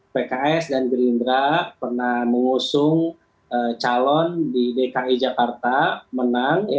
pks dan gerindra pernah mengusung calon di dki jakarta menang